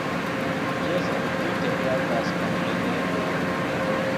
Jes, vi tute pravas, kompreneble!